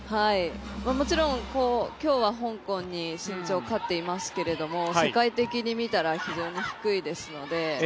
もちろん今日は香港に身長、勝っていますけど世界的に見たら非常に低いですので。